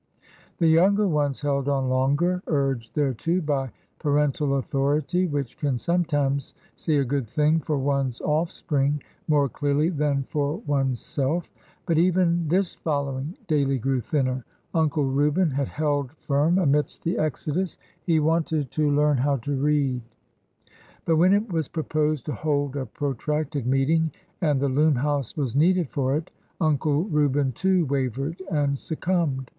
The younger ones held on longer, urged thereto by pa rental authority, which can sometimes see a good thing for one's offspring more clearly than for one's self ; but even this following daily grew thinner. Uncle Reuben had held firm amidst the exodus. He wanted to learn 94 ORDER NO. 11 how to read. But when it was proposed to hold a pro tracted meeting and the Loom house was needed for it, Uncle Reuben, too, wavered and succumbed.